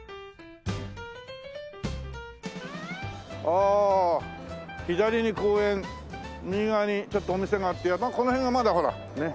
ああ左に公園右側にちょっとお店があってこの辺はまだほらねっ。